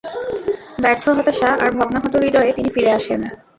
ব্যর্থ, হতাশা আর ভগ্নাহত হৃদয়ে তিনি ফিরে আসেন।